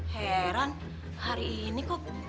heran hari ini kok pada malam ini